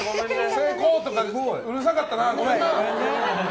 成功とかうるさかったな。